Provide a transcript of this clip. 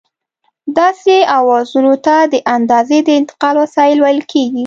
داسې اوزارونو ته د اندازې د انتقال وسایل ویل کېږي.